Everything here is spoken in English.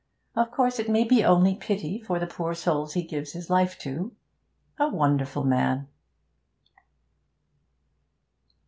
Of course it may be only pity for the poor souls he gives his life to. A wonderful man!'